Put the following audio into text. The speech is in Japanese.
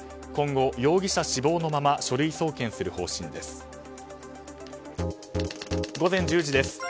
今後、容疑者死亡のまま書類送検する方針です。